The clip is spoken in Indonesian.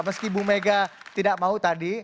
meski bu mega tidak mau tadi